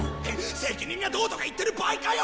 責任がどうとか言ってる場合かよ！